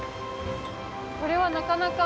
これはなかなか。